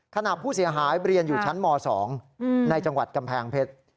ขณะผู้เสียหายเรียนอยู่ชั้นม๒ในจังหวัดกำแพงเพชร